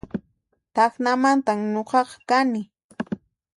Tacnamantan nuqaqa kani